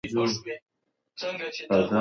تاسې کولای سئ د ټولنې د انډول ښوونکی سئ.